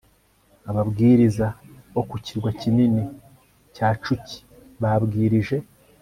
ababwiriza bo ku kirwa kinini cya Cuki babwirije